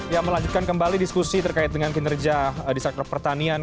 ya melanjutkan kembali diskusi terkait dengan kinerja di sektor pertanian